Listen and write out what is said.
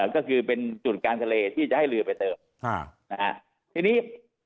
ก็คือเป็นจุดกลางทะเลที่จะให้เรือไปเติมทีนี้